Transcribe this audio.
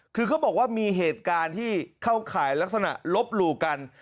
คือเขาบอกว่ามีเหตุการณ์ที่เข้าข่ายลักษณะลบหลู่กัน